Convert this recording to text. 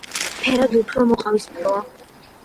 ფერად უფრო მოყავისფროა.